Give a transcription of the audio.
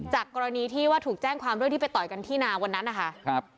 กรณีที่ว่าถูกแจ้งความด้วยที่ไปต่อยกันที่นาวันนั้นนะคะ